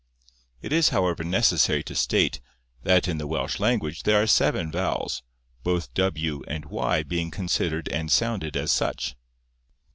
It is however necessary to state, that in the Welsh language there are seven vowels, both w and y being considered and sounded as such.